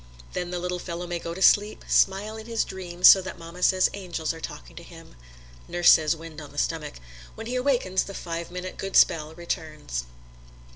Then the little fellow may go to sleep, smile in his dreams so that mamma says angels are talking to him (nurse says wind on the stomach); when he awakens the five minute good spell returns.